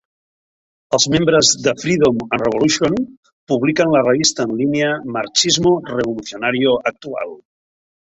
Els membres de "Freedom and Revolution" publiquen la revista en línia "Marxismo Revolucionario Atual".